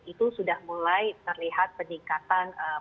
itu sudah mulai terlihat peningkatan